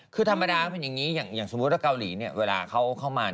คือธรรมดาคือแบบอย่างนี้อย่างสมมติว่าเกาหลีเวลาเข้ามา